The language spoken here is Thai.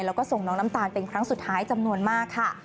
แล้วก็ส่งน้องน้ำตาลเป็นครั้งสุดท้ายจำนวนมากค่ะ